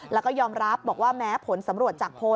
แล้วก็ยอมรับบอกว่าแม้ผลสำรวจจากโพล